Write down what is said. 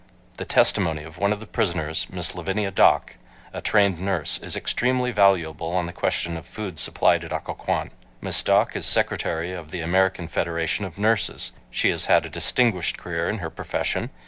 The testimony of one of the prisoners, Miss Lavinia Dock, a trained nurse, is extremely valuable on the question of food supplied at Occoquan. Miss Dock is Secretary of the American Federation of Nurses. She has had a distinguished career in her profession.